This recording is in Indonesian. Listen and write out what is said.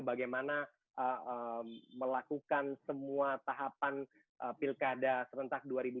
bagaimana melakukan semua tahapan pilkada serentak dua ribu dua puluh ini di luar zona kota